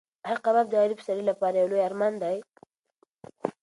ایا کباب د غریب سړي لپاره یو لوی ارمان دی؟